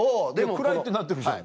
「暗い」ってなってるじゃんか。